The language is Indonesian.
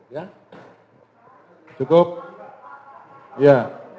ya cukup ya